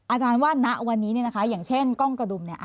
อาจารย์ว่าณวันนี้เนี่ยนะคะอย่างเช่นกล้องกระดุมเนี่ย